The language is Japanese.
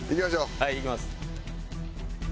はいいきます。